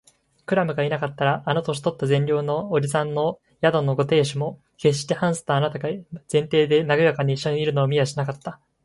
クラムがいなかったら、あの年とった善良な伯父さんの宿のご亭主も、けっしてハンスとあなたとが前庭でなごやかにいっしょにいるのを見はしなかった